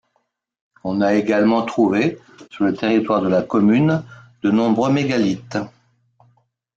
On a également trouvé, sur le territoire de la commune, de nombreux mégalithes.